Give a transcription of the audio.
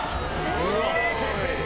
うわ！